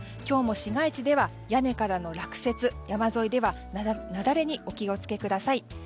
今日も市街地では屋根からの落雪山沿いでは雪崩にお気をつけください。